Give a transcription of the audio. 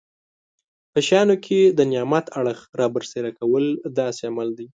په شیانو کې د نعمت اړخ رابرسېره کول داسې عمل دی.